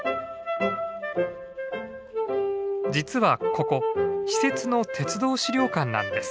実はここ私設の鉄道資料館なんです。